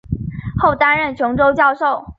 后担任琼州教授。